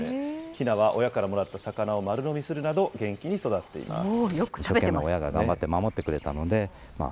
ひなは親からもらった魚を丸飲みするなど、元気に育っています。